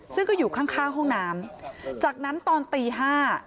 ซึ่งก็อยู่ข้างข้างห้องน้ำจากนั้นตอนตีห้า